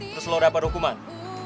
terus lo dapat hukuman